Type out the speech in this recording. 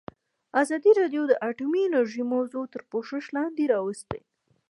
ازادي راډیو د اټومي انرژي موضوع تر پوښښ لاندې راوستې.